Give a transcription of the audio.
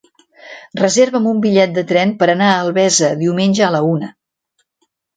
Reserva'm un bitllet de tren per anar a Albesa diumenge a la una.